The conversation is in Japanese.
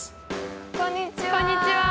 こんにちは。